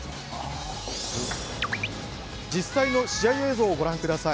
実際の試合映像をご覧ください。